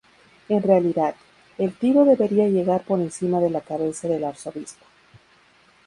En realidad, el tiro debería llegar por encima de la cabeza del arzobispo.